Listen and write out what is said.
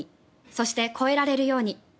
そして越えられるように。